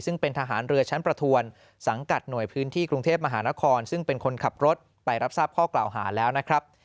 ซึ่งเป็นทหารเรือชั้นประทวนสังกัดหน่วยพื้นที่กรุงเทพมหานครซึ่งเป็นคนขับรถไปรับทราบข้อกล่าวหาแล้วนะครับ